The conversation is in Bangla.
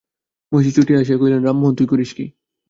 মহিষী ছুটিয়া আসিয়া কহিলেন, রামমোহন তুই করিস কী?